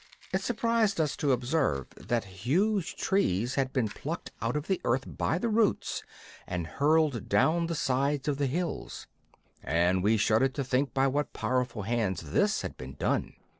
It surprised us to observe that huge trees had been plucked out of the earth by the roots and hurled down the sides of the hills, and we shuddered to think by what powerful hands this had been done.